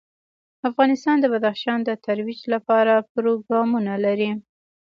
افغانستان د بدخشان د ترویج لپاره پروګرامونه لري.